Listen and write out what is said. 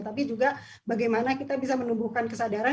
tapi juga bagaimana kita bisa menumbuhkan kesadaran